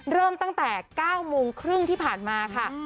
เริ่มตั้งแต่๙โมงครึ่งที่ผ่านมาค่ะ